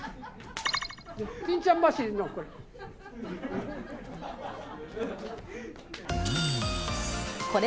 欽ちゃん走りのこれ。